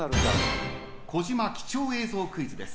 児嶋貴重映像クイズです。